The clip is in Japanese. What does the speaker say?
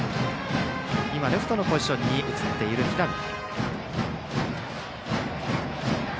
今、レフトのポジションに移っている平見。